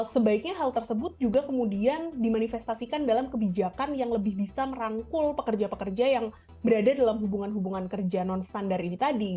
sebaiknya hal tersebut juga kemudian dimanifestasikan dalam kebijakan yang lebih bisa merangkul pekerja pekerja yang berada dalam hubungan hubungan kerja non standar ini tadi